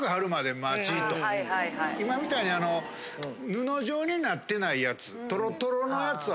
今みたいに布状になってないやつ。